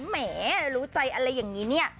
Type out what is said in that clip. แหมรู้ใจอะไรอย่างนี้เนี่ย